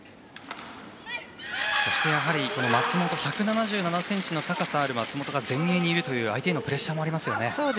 そして、１７７ｃｍの高さがある松本が前衛にいるという、相手へのプレッシャーもありますよね。